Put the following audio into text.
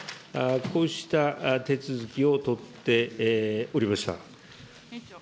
こうした手続きを取っておりました。